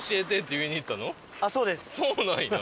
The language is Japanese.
そうなんや。